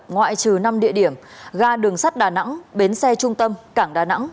ngoại trừ năm địa điểm ga đường sắt đà nẵng bến xe trung tâm cảng đà nẵng